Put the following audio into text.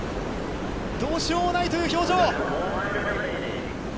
どうしようもないという表情。